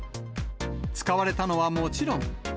使われたのはもちろん。